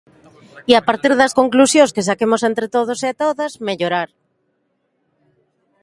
E a partir das conclusións que saquemos entre todos e todas, mellorar.